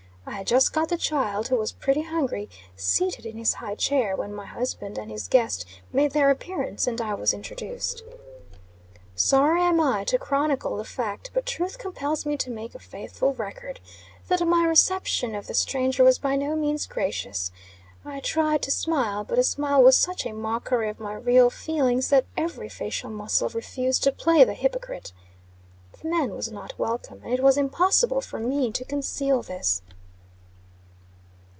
I had just got the child, who was pretty hungry, seated in his high chair, when my husband and his guest made their appearance; and I was introduced. Sorry am I to chronicle the fact but truth compels me to make a faithful record that my reception of the stranger was by no means gracious. I tried to smile; but a smile was such a mockery of my real feelings, that every facial muscle refused to play the hypocrite. The man was not welcome, and it was impossible for me to conceal this.